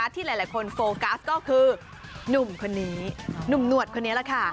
ที่หลายคนโฟกัสก็คือหนุ่มคนนี้หนุ่มหนวดคนนี้แหละค่ะ